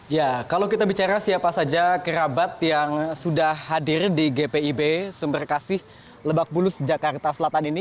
ya kalau kita bicara siapa saja kerabat yang sudah hadir di gpib sumberkasih lebak bulus jakarta selatan ini